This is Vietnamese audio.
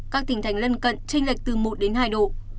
các tỉnh thành lân cận tranh lệch từ một đến hai độ